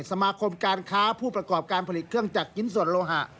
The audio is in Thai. สมาคมการค้าผู้ประกอบการผลิตเครื่องจักรชิ้นส่วนโลหะ